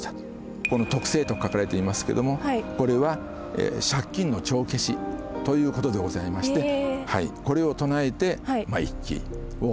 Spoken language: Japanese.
この「徳政」と書かれていますけどもこれは借金の帳消しということでございましてはいこれを唱えて一揆を起こしたと。